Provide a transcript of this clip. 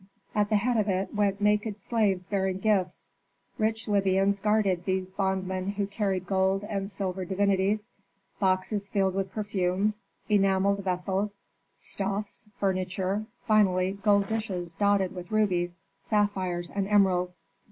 At the head of it went naked slaves bearing gifts. Rich Libyans guarded these bondmen who carried gold and silver divinities, boxes filled with perfumes, enamelled vessels, stuffs, furniture, finally gold dishes dotted with rubies, sapphires, and emeralds.